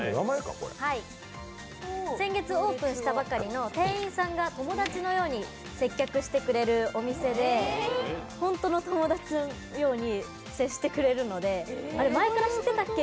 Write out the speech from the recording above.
先月オープンしたばかりの店員さんが友達のように接客してくれるお店で本当の友達のように接してくれるので前から知ってたっけ？